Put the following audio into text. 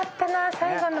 最後の。